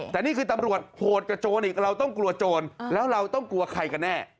แต่นี่คือตำรวจโหดกับโจรอีกเราต้องกลัวโจรแล้วเราต้องกลัวใครกันแน่